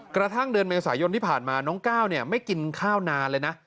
กระทั่งเดือนเมษายนที่ผ่านมาน้องก้าวไม่กินข้าวนานเลยนะ